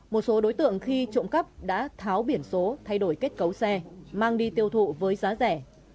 một số đối tượng khi trộm cắp đã tháo biển số thay đổi kết cấu xe mang đi tiêu thụ với giá rẻ